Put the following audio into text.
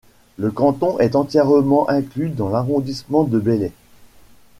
Le canton est entièrement inclus dans l'arrondissement de Belley.